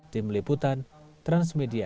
tim liputan transmedia